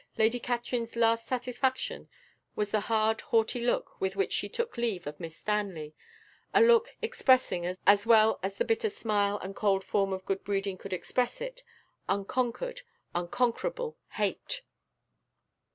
Lady Katrine's last satisfaction was the hard haughty look with which she took leave of Miss Stanley a look expressing, as well as the bitter smile and cold form of good breeding could express it, unconquered, unconquerable hate.